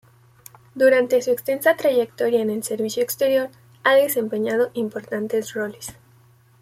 Durante su extensa trayectoria en el servicio exterior ha desempeñado importantes roles.